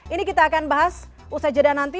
ini kita akan bahas usai jeda nanti